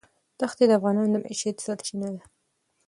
دښتې د افغانانو د معیشت سرچینه ده.